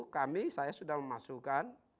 kami saya sudah memasukkan